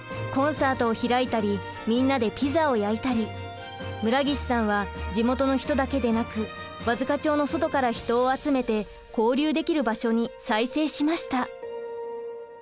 コンサートを開いたりみんなでピザを焼いたり村岸さんは地元の人だけでなく和束町の外から人を集めて交流できる場所に再生しました。